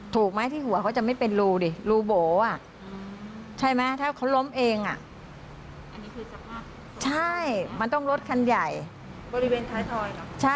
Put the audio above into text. ถูกไหมที่หัวเขาจะไม่เป็นรูดิรูโบ๋อ่ะ